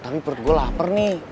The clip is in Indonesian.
tapi perut gue lapar nih